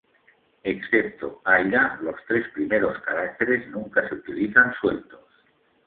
Excepto "aira", los tres primeros caracteres nunca se utilizan sueltos.